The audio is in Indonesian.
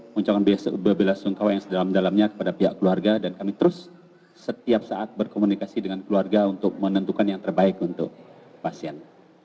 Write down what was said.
mengucapkan bela sungkawa yang sedalam dalamnya kepada pihak keluarga dan kami terus setiap saat berkomunikasi dengan keluarga untuk menentukan yang terbaik untuk pasien